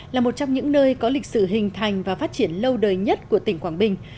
là một trong những nơi có lịch sử hình thành và phát triển lâu đời nhất của tỉnh quảng bình